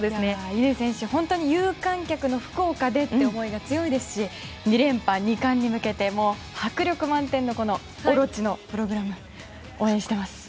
乾選手、本当に有観客の福岡でという思いが強いですし、２連覇２冠に向けて迫力満点の「大蛇オロチ」のプログラム応援しています。